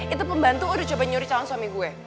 itu pembantu udah coba nyuri calon suami gue